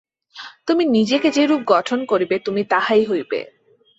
তুমি নিজেকে যেরূপ গঠন করিবে, তুমি তাহাই হইবে।